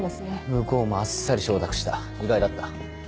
向こうもあっさり承諾した意外だった。